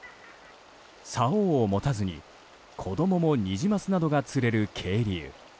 竿を持たずに、子供もニジマスなどが釣れる渓流。